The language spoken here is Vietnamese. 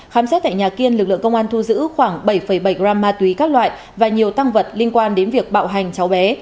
khám xét tại nhà kiên lực lượng công an thu giữ khoảng bảy bảy gram ma túy các loại và nhiều tăng vật liên quan đến việc bạo hành cháu bé